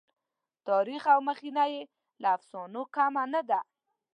تاریخ او مخینه یې له افسانو کمه نه ده.